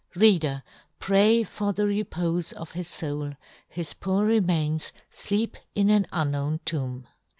Reader, pray for the repofe of his foul : his poor remains fleep in an unknown tomb.